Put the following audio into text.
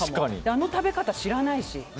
あの食べ方、知らないし。